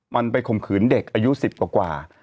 มันไปข่มขืนเด็กอายุ๑๐กว่า